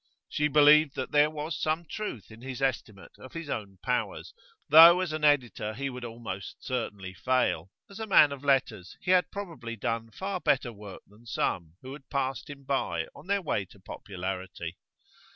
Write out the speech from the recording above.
She believed that there was some truth in his estimate of his own powers; though as an editor he would almost certainly fail, as a man of letters he had probably done far better work than some who had passed him by on their way to popularity.